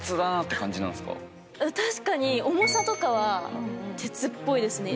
確かに重さとかは鉄っぽいですね。